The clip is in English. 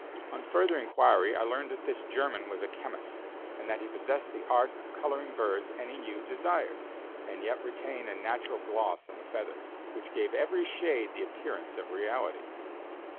On further inquiry I learned that this German was a chemist, and that he possessed the art of coloring birds any hue desired, and yet retain a natural gloss on the feathers, which gave every shade the appearance of reality.